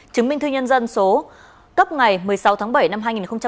chứng minh thư nhân dân số cấp ngày một mươi sáu tháng bảy năm hai nghìn một mươi bốn